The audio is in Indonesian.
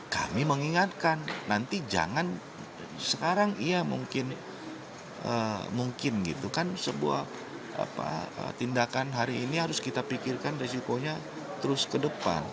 kami mengingatkan nanti jangan sekarang iya mungkin gitu kan sebuah tindakan hari ini harus kita pikirkan resikonya terus ke depan